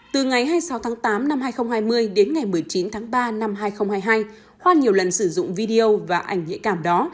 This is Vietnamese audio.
từ ngày hai mươi sáu tháng tám năm hai nghìn hai mươi đến ngày một mươi chín tháng ba năm hai nghìn hai mươi hai khoa nhiều lần sử dụng video và ảnh nhạy cảm đó